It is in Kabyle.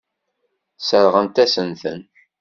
Sseṛɣent-asent-ten.